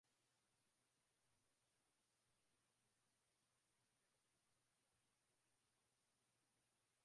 Himaya ya mfalme wa Karagwe ilitukuka na kuandikwa kwenye magazeti ya ulimwengu